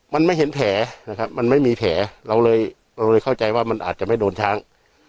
มันไม่เห็นแผลนะครับมันไม่มีแผลเราเลยเราเลยเข้าใจว่ามันอาจจะไม่โดนช้าง